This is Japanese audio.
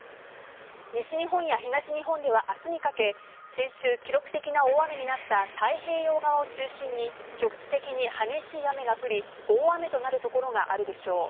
西日本や東日本には明日にかけ先週、記録的な大雨になった太平洋側を中心に局地的に激しい雨が降り大雨となる所があるでしょう。